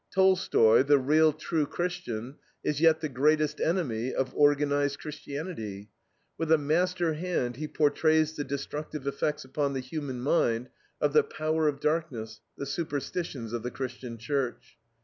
Tolstoy, the real, true Christian, is yet the greatest enemy of organized Christianity. With a master hand he portrays the destructive effects upon the human mind of the power of darkness, the superstitions of the Christian Church.